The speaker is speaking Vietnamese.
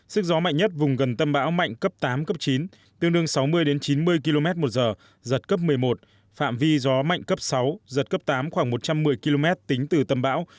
sức gió mạnh nhất vùng gần tâm bão mạnh cấp tám cấp chín tương đương sáu mươi chín mươi km một giờ giật cấp một mươi một phạm vi gió mạnh cấp sáu giật cấp tám khoảng một trăm một mươi km tính từ tâm bão